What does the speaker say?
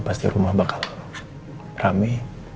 pasti rumah bakal rame